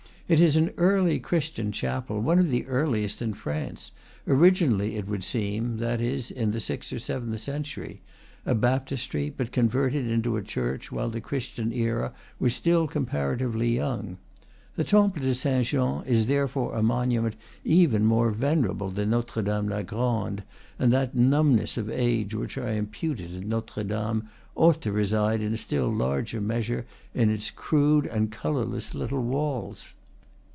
It is an early Christian chapel, one of the earliest in France; originally, it would seem, that is, in the sixth or seventh century, a bap tistery, but converted into a church while the Christian era was still comparatively young. The Temple de Saint Jean is therefore a monument even more vener able than Notre Dame la Grande, and that numbness of age which I imputed to Notre Dame ought to reside in still larger measure in its crude and colorless little walls.